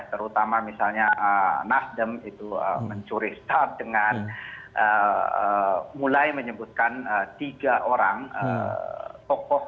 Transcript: terutama misalnya nasdem itu mencuri start dengan mulai menyebutkan tiga orang tokoh